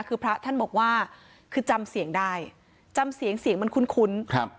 คือพระท่านบอกว่าคือจำเสียงได้จำเสียงเสียงมันคุ้นครับ